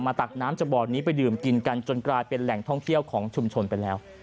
ตักน้ำจากบ่อนี้ไปดื่มกินกันจนกลายเป็นแหล่งท่องเที่ยวของชุมชนไปแล้ว